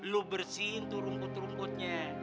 lu bersihin tuh rumput rumputnya